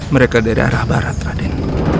mereka dari arah barat raden